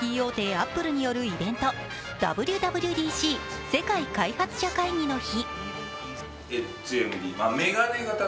アップルによるイベント、ＷＷＤＣ＝世界開発者会議の日。